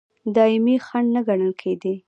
دایمي خنډ نه ګڼل کېدی.